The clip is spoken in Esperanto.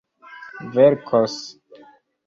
verkos